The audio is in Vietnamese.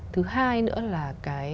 thứ hai nữa là cái